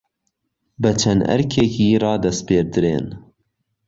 بە چەند ئەرکێکی رادەسپێردرێن